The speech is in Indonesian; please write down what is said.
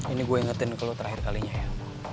ini gue ingetin ke lo terakhir kalinya ya